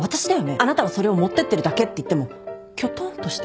「あなたはそれを持ってってるだけ」って言ってもきょとんとして。